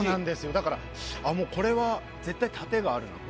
だからもうこれは絶対殺陣があるなと。